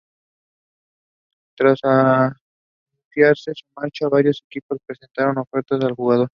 Tras anunciarse su marcha, varios equipos presentaron ofertas al jugador.